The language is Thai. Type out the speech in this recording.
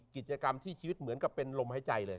กิจกรรมที่ชีวิตเหมือนกับเป็นลมหายใจเลย